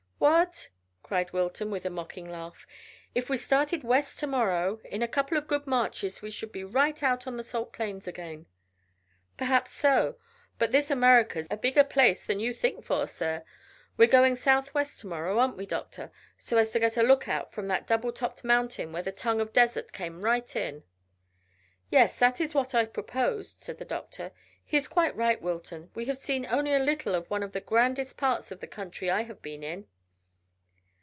"What!" cried Wilton with a mocking laugh. "If we started west to morrow in a couple of good marches we should be right out on the salt plains again." "Perhaps so; but this Amurrica's a bigger place than you think for, sir. We're going south west to morrow, aren't we, doctor, so as to get a lookout from that double topped mountain where the tongue of desert came right in?" "Yes; that is what I proposed," said the doctor. "He is quite right, Wilton. We have seen only a little of one of the grandest parts of the country I have been in."